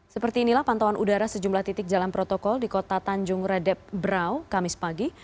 seperti inilah pantauan udara sejumlah titik jalan protokol di kota tanjung redep brau kamis pagi